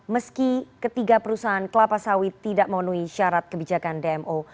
meski ketiga perusahaan kelapa sawit tidak memenuhi syarat kebijakan dmo